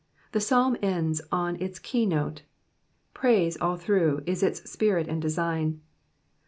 The psalm ends on its kev note. Praise all through is its spirit and design.